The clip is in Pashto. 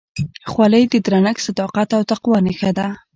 خولۍ د درنښت، صداقت او تقوا نښه ده.